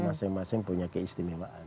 masing masing punya keistimewaan